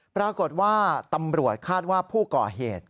ปรากฏว่าตำรวจคาดว่าผู้ก่อเหตุ